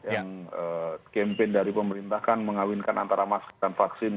yang kempen dari pemerintahkan mengawinkan antara masker dan vaksin